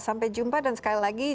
sampai jumpa dan sekali lagi